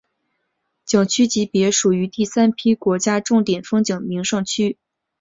景区级别属于第三批国家重点风景名胜区。